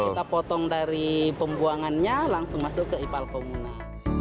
kita potong dari pembuangannya langsung masuk ke ipal komunal